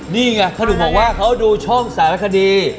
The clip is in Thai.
นี่ไงเขาถึงบอกว่าเขาดูช่องสารคดี